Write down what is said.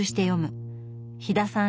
飛田さん